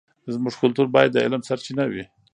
زموږ کلتور باید د علم سرچینه وي.